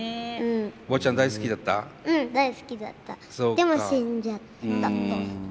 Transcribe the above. でも死んじゃったと。